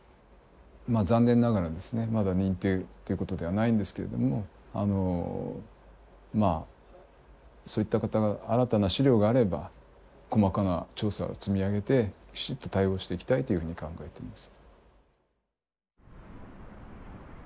残念ながらですねまだ認定っていうことではないんですけれどもそういった方新たな資料があれば細かな調査を積み上げてきちっと対応していきたいというふうに考えています。